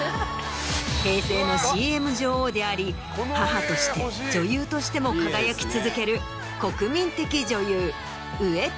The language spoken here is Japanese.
平成のＣＭ女王であり母として女優としても輝き続ける国民的女優。